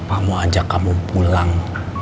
papa mau ajak kamu pulang